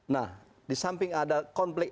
nah di samping ada konflik